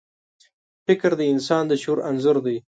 فکر د انسان د شعور انځور دی.